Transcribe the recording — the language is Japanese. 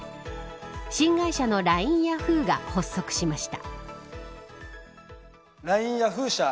新会社のＬＩＮＥヤフーが発足しました。